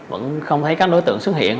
vẫn không thấy các đối tượng xuất hiện